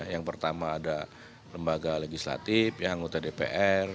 yang pertama ada lembaga legislatif yang uta dpr